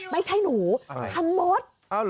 ไม่ใช่นูชมอด